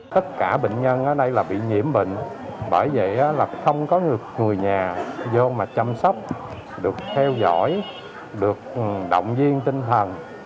tất cả bệnh nhân ở đây là bị nhiễm bệnh bởi vậy là không có được người nhà vô mà chăm sóc được theo dõi được động viên tinh thần